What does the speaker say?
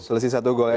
selisih satu gol